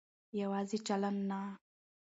يواځې چلن نه